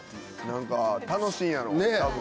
何か楽しいんやろ多分。